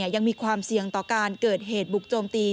ยังมีความเสี่ยงต่อการเกิดเหตุบุกโจมตี